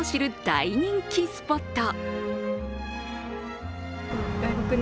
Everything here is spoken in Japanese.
大人気スポット。